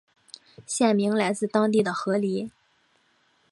县名来自当地的河狸。